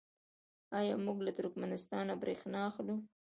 آیا موږ له ترکمنستان بریښنا اخلو؟